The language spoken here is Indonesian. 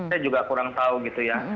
saya juga kurang tahu gitu ya